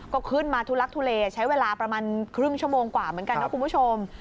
ก็ขึ้นมาทุลักทุเลใช้เวลาประมาณครึ่งชั่วโมงกว่าเหมือนกันนะคุณผู้ชม